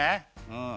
うん。